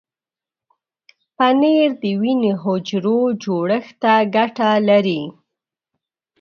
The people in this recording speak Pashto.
پنېر د وینې حجرو جوړښت ته ګټه لري.